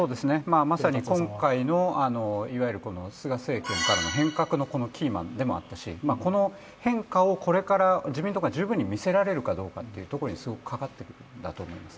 まさに今回の菅政権からの変革のキーマンでもあったしこの変化をこれから自民党が十分に見せられるかどうかに、すごくかかってくるんだと思います。